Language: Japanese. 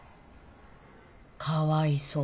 「かわいそう」